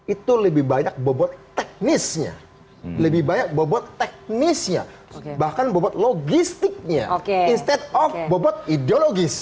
itu lebih banyak bobot teknisnya lebih banyak bobot teknisnya bahkan bobot logistiknya instead of bobot ideologis